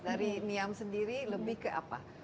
dari niam sendiri lebih ke apa